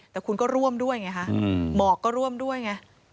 แต่คุณก็ร่วมด้วยไงคะหมอกก็ร่วมด้วยไง